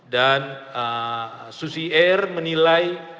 dan susi air menilai